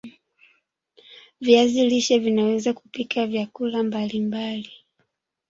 viazi lishe vinaweza kupika vyakula mbali mbali